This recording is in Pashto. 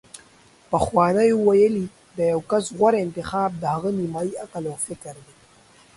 پخوانیو ویلي: د یو کس غوره انتخاب د هغه نیمايي عقل او فکر دی